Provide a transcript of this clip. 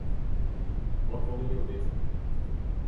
Wat wolle jo witte?